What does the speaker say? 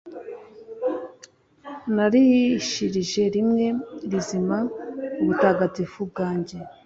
narahirishije rimwe rizima ubutagatifu bwanjye